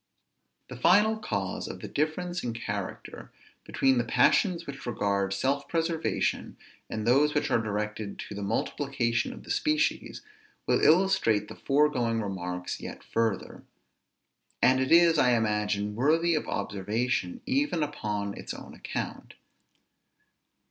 The final cause of the difference in character between the passions which regard self preservation, and those which are directed to the multiplication of the species, will illustrate the foregoing remarks yet further; and it is, I imagine, worthy of observation even upon its own account.